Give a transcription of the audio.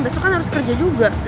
besok kan harus kerja juga